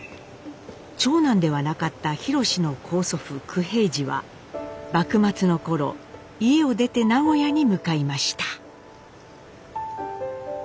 長男ではなかったひろしの高祖父九平治は幕末の頃家を出て名古屋に向かいました。